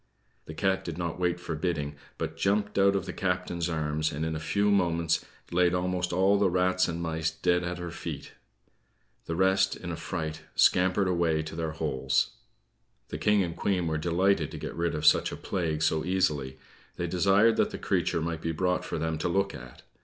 The cat did not wait for bidding, but jumped out of the captain's arm, and in a few moments laid almost all the rats and mice dead at her feet. The rest, in a fright, scampered away to their holes. The King and Queen were delighted to get rid of such a plague so easily. They desired that the creature might be brought for them to look at.